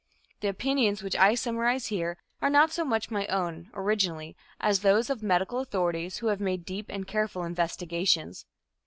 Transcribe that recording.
The opinions which I summarize here are not so much my own, originally, as those of medical authorities who have made deep and careful investigations.